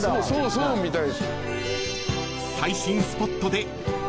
そうみたい。